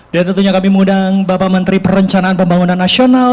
dan tentunya kami mengundang bapak menteri perencanaan pembangunan nasional